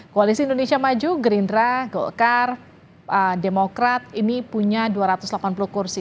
koalisi indonesia maju gerindra golkar demokrat ini punya dua ratus delapan puluh kursi